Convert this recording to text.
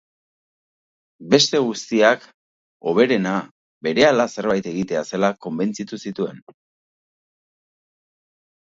Beste guztiak, hoberena, berehala zerbait egitea zela konbentzitu zituen.